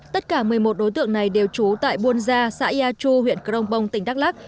tất cả một mươi một đối tượng này đều trú tại buôn gia xã yà chu huyện crong bông tỉnh đắk lắc